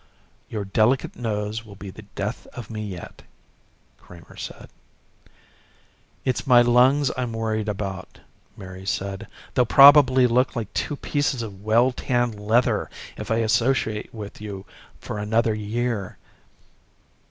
"Your delicate nose will be the death of me yet " Kramer said. "It's my lungs I'm worried about," Mary said. "They'll probably look like two pieces of well tanned leather if I associate with you for another year."